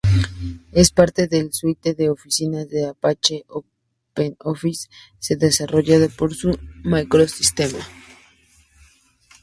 Es parte de la suite de oficina de Apache OpenOffice desarrollada por Sun Microsystems.